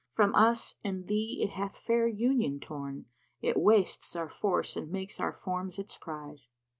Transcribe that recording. From us and thee it hath fair union torn * It wastes our force and makes our forms its prize."